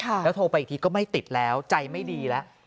แล้วโทรไปอีกทีก็ไม่ติดแล้วใจไม่ดีแล้ว